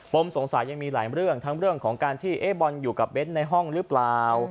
มสงสัยยังมีหลายเรื่องทั้งเรื่องของการที่บอลอยู่กับเน้นในห้องหรือเปล่า